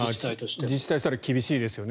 自治体としては厳しいですよね。